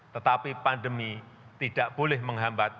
tetapi pandemi tidak boleh menghambat